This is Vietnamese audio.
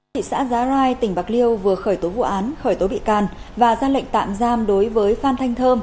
thị xã giá rai tỉnh bạc liêu vừa khởi tố vụ án khởi tố bị can và ra lệnh tạm giam đối với phan thanh thơm